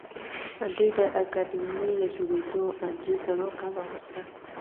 دوی د اکاډمۍ له جوړېدو درې څلور کاله وروسته